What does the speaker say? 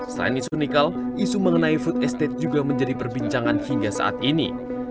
selain isu nikel isu mengenai food estate juga menjadi perbincangan hingga saat ini